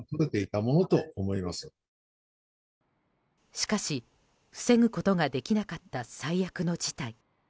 しかし防ぐことができなかった最悪の事態。